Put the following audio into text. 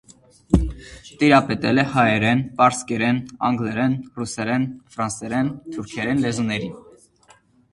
Տիրապետել է հայերեն, պարսկերեն, անգլերեն, ռուսերեն, ֆրանսերեն, թուրքերեն լեզուներին։